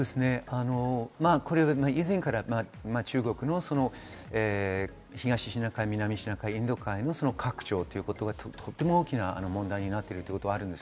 以前から中国の東シナ海、南シナ海、インド洋の拡張ということがとても大きな問題になっているということがあります。